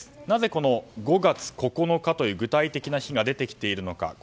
なぜ５月９日という具体的な日が出てきているのか。